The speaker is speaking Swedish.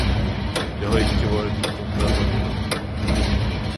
Jag har icke varit utom dörren i dag.